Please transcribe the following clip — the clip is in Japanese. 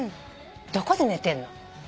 どこで寝てんの？